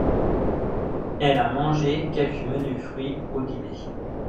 Elle a mangé quelques menus fruits au dîner.